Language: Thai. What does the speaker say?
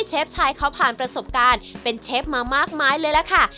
เชฟชายเขาผ่านประสบการณ์เป็นเชฟมามากมายเลยล่ะค่ะ